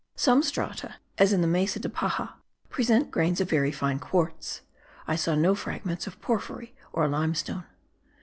Some strata, as in the Mesa de Paja, present grains of very fine quartz; I saw no fragments of porphyry or limestone.